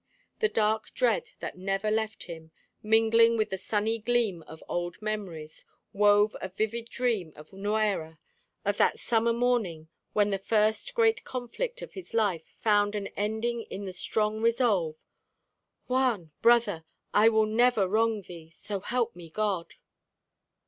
The dark dread that never left him, mingling with the sunny gleam of old memories, wove a vivid dream of Nuera, and of that summer morning when the first great conflict of his life found an ending in the strong resolve, "Juan, brother! I will never wrong thee, so help me God!"